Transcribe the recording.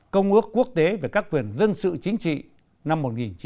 công ước quốc tế về các quyền dân sự chính trị năm một nghìn chín trăm tám mươi hai